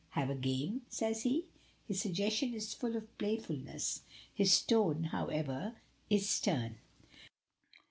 "Have a game?" says he. His suggestion is full of playfulness, his tone, however, is stern.